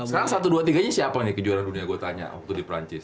sekarang satu dua tiganya siapa nih kejuaraan dunia gue tanya waktu di perancis